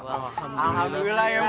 alhamdulillah ya mak